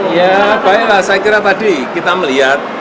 ya baiklah saya kira tadi kita melihat